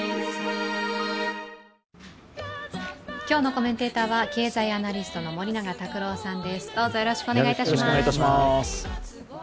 今日のコメンテーターは経済アナリストの森永卓郎さんです。